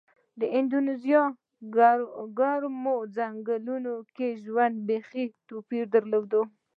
د اندونیزیا ګرمو ځنګلونو کې ژوند بېخي توپیر درلود.